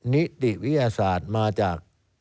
นิติวิทยาศาสตร์มาจาก